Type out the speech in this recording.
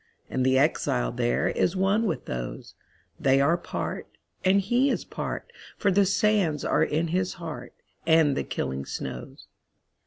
And the exile thereIs one with those; They are part, and he is part, For the sands are in his heart, And the killing snows.